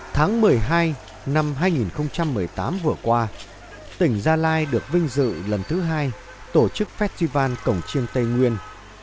tháng một mươi hai năm hai nghìn một mươi tám vừa qua tỉnh gia lai được vinh dự lần thứ hai tổ chức festival cổng chiêng tây nguyên